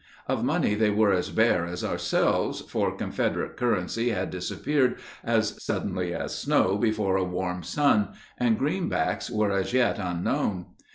Of money they were as bare as ourselves, for Confederate currency had disappeared as suddenly as snow before a warm sun, and greenbacks were as yet unknown.